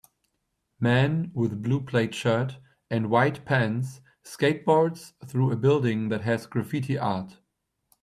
Man with blue plaid shirt and white pants skateboards through a building that has graffiti art